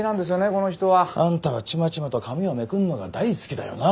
この人は。あんたはチマチマと紙をめくんのが大好きだよなあ。